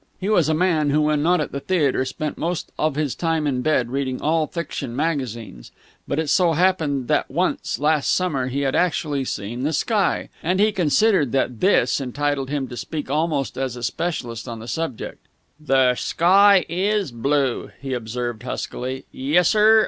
He was a man who, when not at the theatre, spent most of his time in bed, reading all fiction magazines; but it so happened that once, last summer, he had actually seen the sky; and he considered that this entitled him to speak almost as a specialist on the subject. "Ther sky is blue!" he observed huskily. "Yessir!